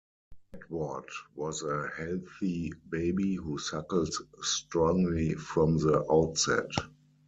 Edward was a healthy baby who suckled strongly from the outset.